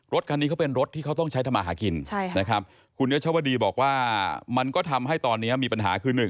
รถคันนี้เขาเป็นรถที่เขาต้องใช้ทำมาหากินนะครับคุณยัชวดีบอกว่ามันก็ทำให้ตอนนี้มีปัญหาคือ